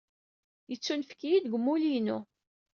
Yettunefk-iyi-d deg umulli-inu.